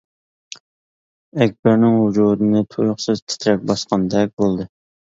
ئەكبەرنىڭ ۋۇجۇدىنى تۇيۇقسىز تىترەك باسقاندەك بولدى.